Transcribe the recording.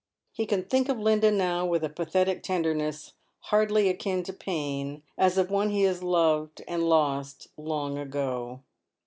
He can think of Linda now with a pathetic tenderness hardly akin to pain, as of one he has loved and lost long ago.